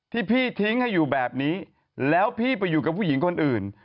ที่พี่ทิ้งให้อยู่แบบนี้แล้วพี่ไปอยู่กับผู้หญิงคนอื่น